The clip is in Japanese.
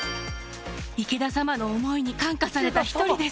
池田様の思いに感化された１人です。